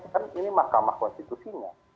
kan ini mahkamah konstitusinya